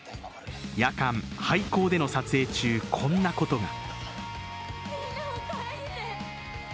夜間、廃校での撮影中、こんなことが。